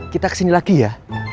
kita kesini lagi ya